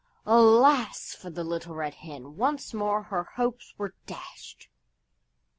Alas for the Little Red Hen! Once more her hopes were dashed!